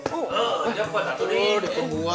loh jemput satu dua